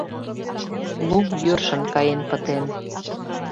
Лум йӧршын каен пытен.